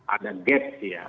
ada gap ya